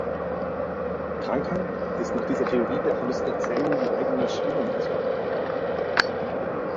Krankheit ist nach dieser Theorie der Verlust der Zellen, die eigene Schwingung zu regulieren.